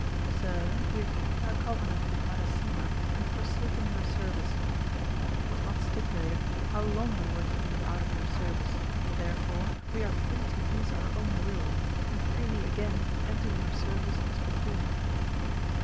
Sir, we have kept our covenant with Madasima, and forsaken your service ; but it was not stipulated how long we were to be out of your service, therefore we are free to use our own will, and freely again enter your service as before.